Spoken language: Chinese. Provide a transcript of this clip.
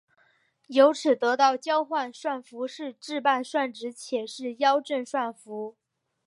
由此得到交换算符是自伴算子且是幺正算符。